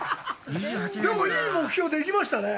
でも、いい目標できましたね。